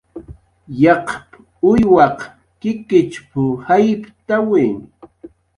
"Yaqp"" uywaq kikichp"" jayptawi"